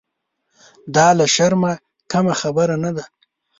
دا له شرمه کمه خبره نه ده.